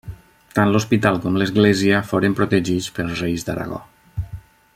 Tant l'hospital com l'església foren protegits pels reis d'Aragó.